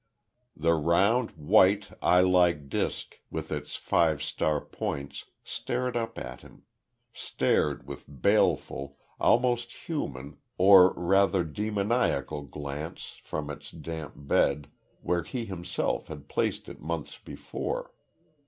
The round, white, eye like disc, with its five star points, stared up at him stared with baleful almost human, or rather demoniacal glance, from its damp bed, where he himself had placed it months before.